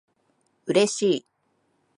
嬉しい